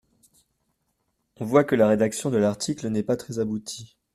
On voit que la rédaction de l’article n’est pas très aboutie.